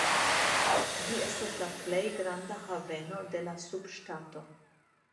Ĝi estas la plej granda haveno de la subŝtato.